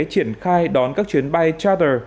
triển khai đón các chuyến bay charter